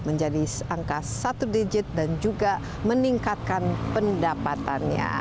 menjadi angka satu digit dan juga meningkatkan pendapatannya